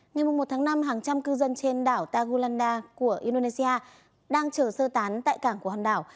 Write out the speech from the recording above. ngày một tháng năm hàng trăm cư dân trên đảo tagulanda của indonesia đang chờ sơ tán tại cảng của hòn đảo